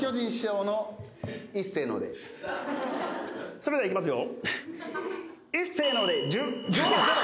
それではいきますよ。